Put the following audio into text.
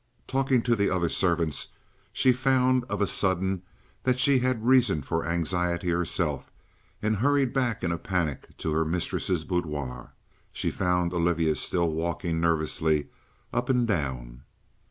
Talking to the other servants, she found of a sudden that she had reason for anxiety herself, and hurried back in a panic to her mistress's boudoir. She found Olivia still walking nervously up and down.